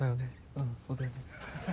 うんそうだよね。